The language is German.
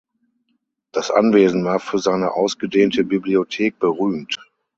Das Anwesen war für seine ausgedehnte Bibliothek berühmt.